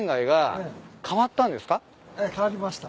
ええ変わりました。